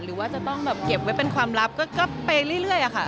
หรือว่าจะต้องแบบเก็บไว้เป็นความลับก็ไปเรื่อยอะค่ะ